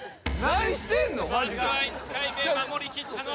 まずは１回目守りきったのはプロチーム。